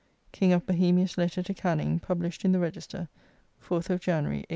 _King of Bohemia's Letter to Canning, published in the Register, 4th of January, 1823.